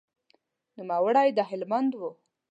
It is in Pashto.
نوموړی د هلمند و.